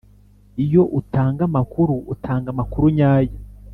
Iyo utanga amakuru utanga amakuru nyayo